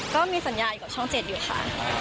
ก็มีสัญญาอยู่กับช่อง๗อยู่ค่ะ